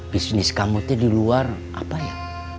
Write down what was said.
bisnis kamu tuh diluar apa ya